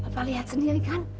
papa lihat sendiri kan